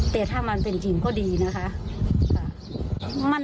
แต่ถ้ามันเป็นจริงก็ดีนะคะ